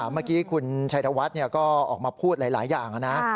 เมื่อกี้คุณชัยธวัฒน์ก็ออกมาพูดหลายอย่างนะ